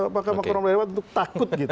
makam kehormatan dewa untuk takut